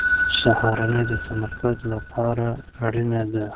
سهارنۍ د تمرکز لپاره اړینه ده.